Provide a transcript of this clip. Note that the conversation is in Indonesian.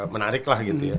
menarik lah gitu ya